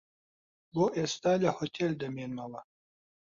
بۆ ئێستا لە هۆتێل دەمێنمەوە.